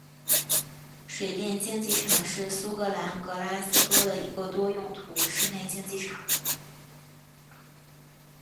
水电竞技场是苏格兰格拉斯哥的一个多用途室内竞技场。